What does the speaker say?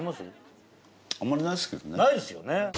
ないですよね。